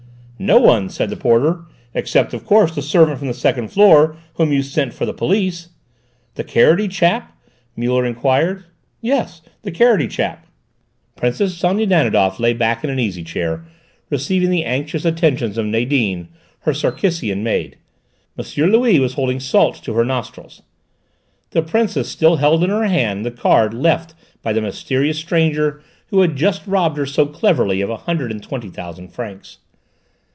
"No one," said the porter, "except, of course, the servant from the second floor, whom you sent for the police." "The carroty chap?" Muller enquired. "Yes, the carroty chap." Princess Sonia Danidoff lay back in an easy chair, receiving the anxious attentions of Nadine, her Circassian maid. M. Louis was holding salts to her nostrils. The Princess still held in her hands the card left by the mysterious stranger who had just robbed her so cleverly of a hundred and twenty thousand francs.